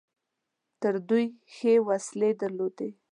تر دوی ښې وسلې درلودلې.